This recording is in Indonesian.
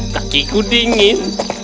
kaki ku dingin